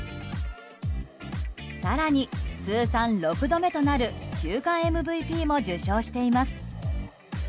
更に、通算６度目となる週間ＭＶＰも受賞しています。